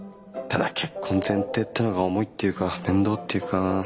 ただ結婚前提っていうのが重いっていうか面倒っていうか。